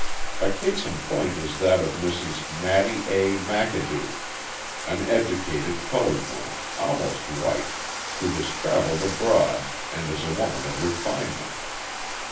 A case in point is that of Mrs. Mattie A. McAdoo, an educated coloured woman, almost white, who has travelled abroad, and is a woman of refinement.